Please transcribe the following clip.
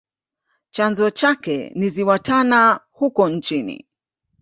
Chanzo chake ni ziwa tana huko nchini